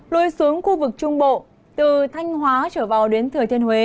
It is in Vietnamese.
lui xuống khu vực trung bộ từ thanh hóa trở vào đến thừa thiên huế